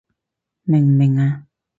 明唔明啊？